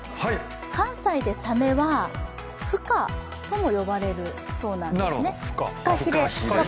関西でサメは、フカとも呼ばれるそうなんですね。